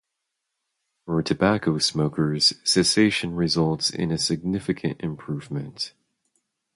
For tobacco smokers, cessation results in a significant improvement.